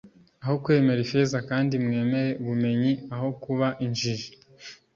aho kwemera ifeza kandi mwemere ubumenyi aho kuba injiji